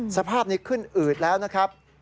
สภาพนี้ขึ้นอืดแล้วนะครับ